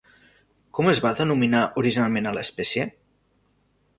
Com es va denominar originalment a l'espècie?